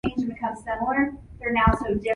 Cinemas was the last one to go.